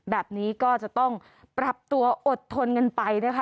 แบบนี้ก็จะต้องปรับตัวอดทนกันไปนะคะ